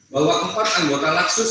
bahwa empat anggota laksus